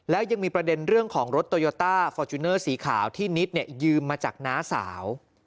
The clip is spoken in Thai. แล้วยังมีประเด็นเรื่องของรถโตโยต้าฟอร์จูเนอร์สีขาวที่นิดยืมมาจากน้าสาว